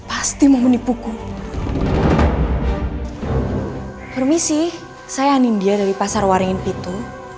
permisi saya anandia dan saya anandia